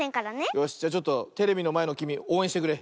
よしじゃちょっとテレビのまえのきみおうえんしてくれ。